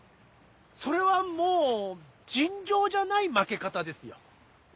それはもう尋常じゃない負け方ですよ。